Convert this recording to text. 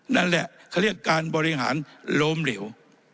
นั่นแหละเขาเรียกการบริหารล้มเหลว